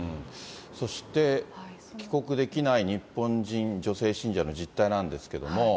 そして帰国できない日本人女性信者の実態なんですけれども。